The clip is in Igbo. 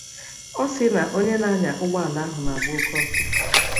Ọ sị na onye na-anya ụgbọala ahụ na-agba oke ọsọ